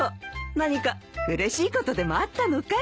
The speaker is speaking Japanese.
何かうれしいことでもあったのかい？